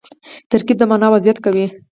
ترکیب د مانا وضاحت کوي.